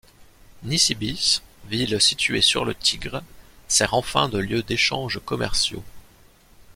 Nisibis, ville située sur le Tigre, sert enfin de lieu d'échanges commerciaux.